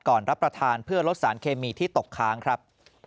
รับประทานเพื่อลดสารเคมีที่ตกค้างครับ